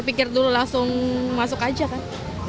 pikir dulu langsung masuk aja kan